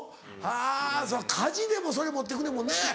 あぁ火事でもそれ持ってくねんもんね。